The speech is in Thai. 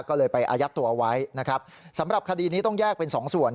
ก็เลยไปอายัดตัวเอาไว้นะครับสำหรับคดีนี้ต้องแยกเป็นสองส่วน